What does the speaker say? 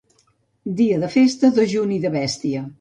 Dia de festa, dejuni de bèstia.